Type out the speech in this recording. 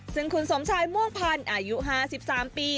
ซึ่งคุณสมชายม่วงพันธุ์อายุ๕๓ปี